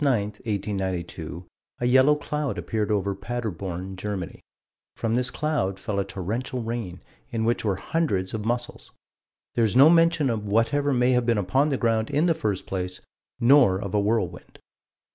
9, 1892, a yellow cloud appeared over Paderborn, Germany. From this cloud, fell a torrential rain, in which were hundreds of mussels. There is no mention of whatever may have been upon the ground in the first place, nor of a whirlwind.